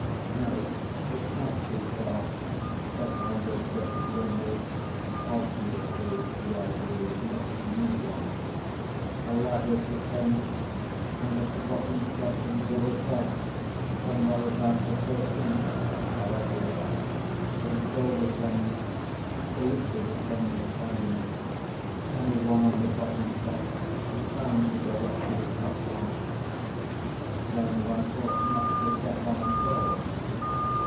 "No, it's not too far," said Alyosha warmly (obviously the idea was not a new one). "The ladder's the same. I'm at the bottom step, and you're above, somewhere about the thirteenth. That's how I see it. But it's all the same. Absolutely the same in kind. Any one on the bottom step is bound to go up to the top one." "Then one ought not to step on at all."